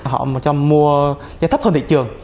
họ cho mua giá thấp hơn thị trường